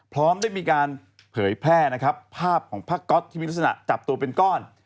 พร้อมได้มีการเผยแพร่นะครับภาพของผ้าก๊อตที่มีลักษณะจับตัวเป็นก้อน